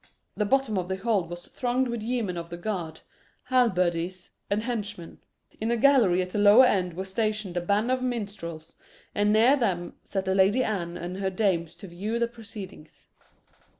The bottom of the hall was thronged with yeomen of the guard, halberdiers, and henchmen. In a gallery at the lower end were stationed a band of minstrels, and near them sat the Lady Anne and her dames to view the proceedings.